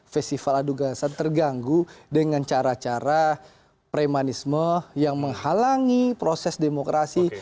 festival adu gagasan terganggu dengan cara cara premanisme yang menghalangi proses demokrasi